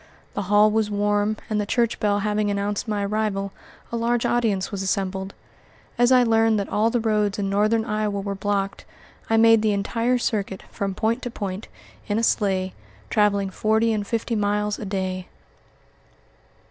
The hall was warm, and the church bell having announced my arrival, a large audience was assembled. As I learned that all the roads in Northern Iowa were blocked, I made the entire circuit, from point to point, in a sleigh, traveling forty and fifty miles a day.